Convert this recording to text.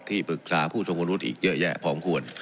ที่ปรึกษาผู้สมควรรุฑอีกเยอะแยะผอมควร